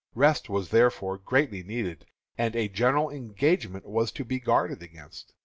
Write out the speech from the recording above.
Rest was therefore greatly needed, and a general engagement was to be guarded against.